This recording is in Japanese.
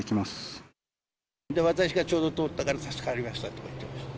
私がちょうど通ったから、助かりましたと言ってました。